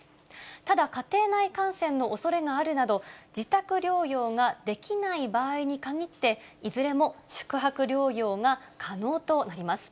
ただ、家庭内感染のおそれがあるなど、自宅療養ができない場合に限って、いずれも宿泊療養が可能となります。